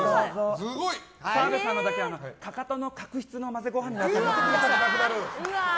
澤部さんのだけはかかとの角質の混ぜご飯です。